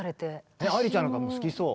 愛理ちゃんなんかも好きそう。